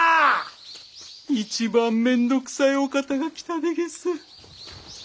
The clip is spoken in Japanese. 一番面倒くさいお方が来たでげす。